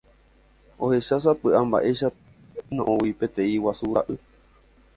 Ohechásapy'a mba'éichapa osẽ yno'õgui peteĩ guasu ra'y.